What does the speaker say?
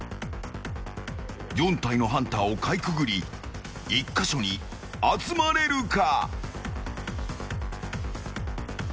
４体のハンターをかいくぐり１か所に集まれるか。